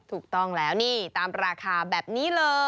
ถูกต้องแล้วนี่ตามราคาแบบนี้เลย